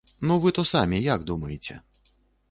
Ну вы то самі як думаеце?